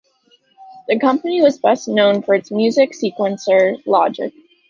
The company was best known for its music sequencer, Logic.